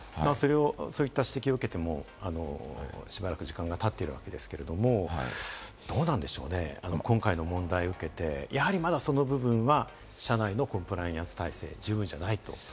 そういった指摘を受けても、しばらく時間が経っているわけですけれども、どうなんでしょう、今回の問題を受けて、やはりその部分は社内のコンプライアンス体制は十分じゃないと。